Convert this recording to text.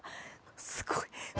すごい。